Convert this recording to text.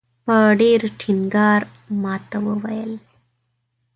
په ډېر ټینګار ماته وویل.